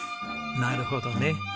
なるほどね。